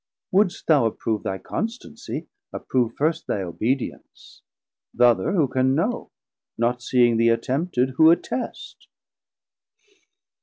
Wouldst thou approve thy constancie, approve First thy obedience; th' other who can know, Not seeing thee attempted, who attest?